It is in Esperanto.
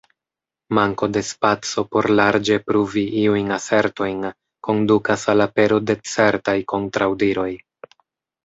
Manko de spaco por larĝe pruvi iujn asertojn kondukas al apero de certaj kontraŭdiroj.